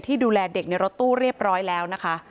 ดูแลเด็กในรถตู้เรียบร้อยแล้วนะคะ